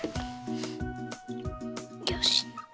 よし。